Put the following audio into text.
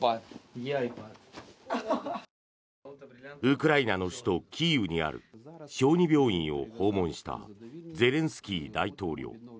ウクライナの首都キーウにある小児病院を訪問したゼレンスキー大統領。